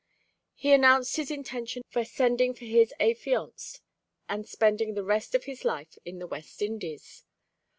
He announced his intention of sending for his affianced and spending the rest of his life in the West Indies.